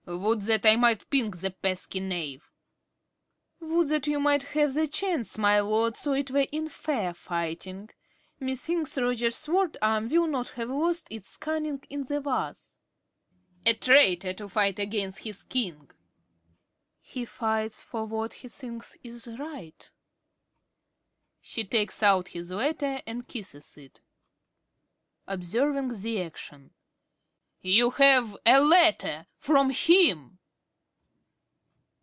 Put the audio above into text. _) Would that I might pink the pesky knave! ~Dorothy~ (turning upon him a look of hate). Would that you might have the chance, my lord, so it were in fair fighting. Methinks Roger's sword arm will not have lost its cunning in the wars. ~Carey~. A traitor to fight against his King. ~Dorothy~. He fights for what he thinks is right. (She takes out his letter and kisses it.) ~Carey~ (observing the action). You have a letter from him!